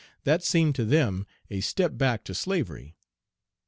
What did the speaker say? That seemed to them a step back to slavery.